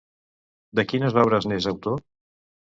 De quines obres n'és autor?